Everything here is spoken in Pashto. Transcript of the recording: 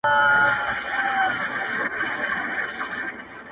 یوه ورځ قسمت راویښ بخت د عطار کړ!